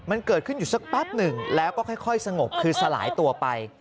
มันเกิดขึ้นอยู่สักแป๊บหนึ่งแล้วก็ค่อยสงบคือสลายตัวไป